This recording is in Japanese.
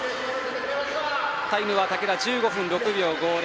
タイムは竹田、１５分６秒５０。